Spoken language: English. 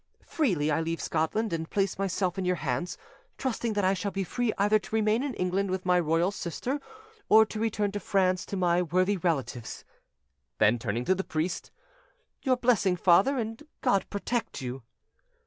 Freely I leave Scotland and place myself in your hands, trusting that I shall be free either to remain in England with my royal sister, or to return to France to my worthy relatives". Then, turning to the priest, "Your blessing, father, and God protect you!"